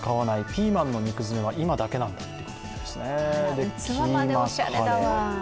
ピーマンの肉詰めは、今だけなんだそうです。